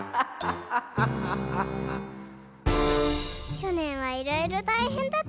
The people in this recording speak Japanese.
きょねんはいろいろたいへんだったね。